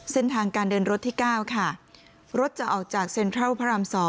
เส้นทางการเดินรถที่๙ค่ะรถจะออกจากเซ็นทรัลพระราม๒